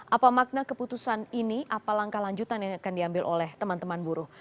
apa makna keputusan ini apa langkah lanjutan yang akan diambil oleh teman teman buruh